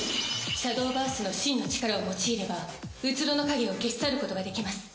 シャドウバースの真の力を用いれば虚の影を消し去ることができます。